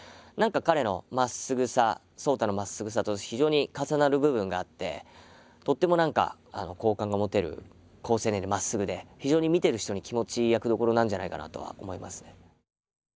何か彼のまっすぐさ壮多のまっすぐさと非常に重なる部分があってとっても何か好感が持てる好青年でまっすぐで非常に見ている人に気持ちいい役どころなんじゃないかなとは思いますね。